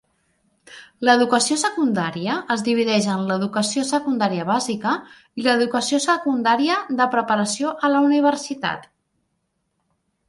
L"educació secundària es divideix en l"educació secundaria bàsica i l"educació secundària de preparació a la universitat.